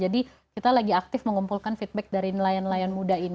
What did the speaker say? jadi kita lagi aktif mengumpulkan feedback dari nelayan nelayan muda ini